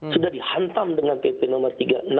sudah dihantam dengan pp nomor tiga puluh enam